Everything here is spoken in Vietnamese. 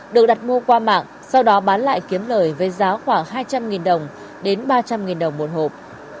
được đặt mua qua mạng sau đó bán lại kiếm lời với giá khoảng hai trăm linh đồng đến ba trăm linh đồng một hộp